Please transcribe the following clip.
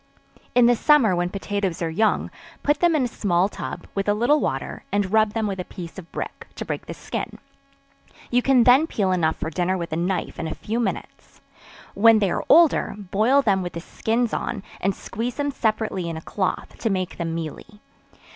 In the summer when potatoes are young, put them in a small tub, with a little water, and rub them with a piece of brick, to break the skin; you can then peel enough for dinner with a knife in a few minutes. When they are older, boil them with the skins on, and squeeze them separately in a cloth, to make them mealy.